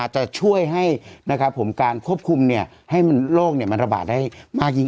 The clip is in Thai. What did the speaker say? จะช่วยให้การควบคุมโรคมันระบาดได้น้อยลง